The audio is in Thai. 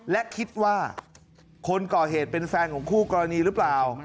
และคิดว่าคนก่อเหตุเป็นแฟนของคู่กรณีหรือเปล่า